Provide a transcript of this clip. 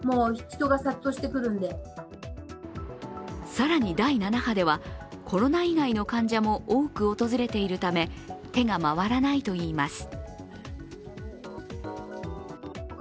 更に第７波では、コロナ以外の患者も多く訪れているため手が回らないといいます。